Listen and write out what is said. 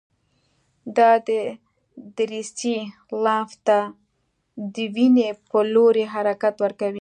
دا دریڅې لمف ته د وینې په لوري حرکت ورکوي.